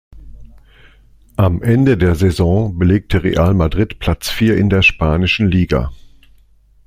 Am Ende der Saison belegte Real Madrid Platz vier in der spanischen Liga.